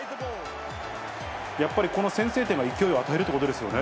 やっぱりこの先制点が勢いを与えるということですよね。